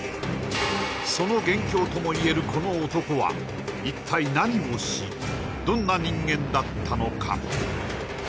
その元凶ともいえるこの男は一体何をしどんな人間だったのか？